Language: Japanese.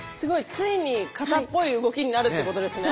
ついに形っぽい動きになるっていうことですね。